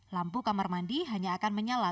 lampu kamar mandi hanya akan menyala